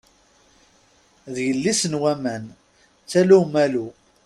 D yelli-s n waman, d tala Umalu.